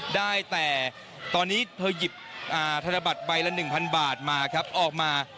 ได้แต่ตอนนี้เธอหยิบธนบัตรใบละ๑๐๐บาทมาครับออกมา